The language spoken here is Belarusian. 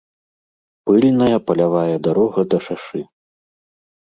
Пыльная палявая дарога да шашы.